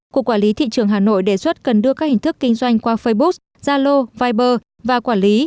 cục quản lý thị trường hà nội đề xuất cần đưa các hình thức kinh doanh qua facebook zalo viber vào quản lý